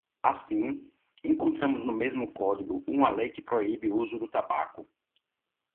Assim, encontramos no mesmo código uma lei que proíbe o uso do tabaco.